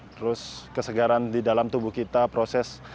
terus kesegaran di dalam tubuh kita proses